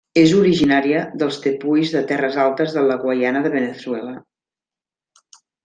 És originària dels tepuis de terres altes de la Guaiana de Veneçuela.